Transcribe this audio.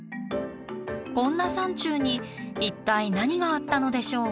こんな山中に一体何があったのでしょう？